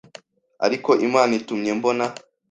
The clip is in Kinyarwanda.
ariko Imana itumye mbona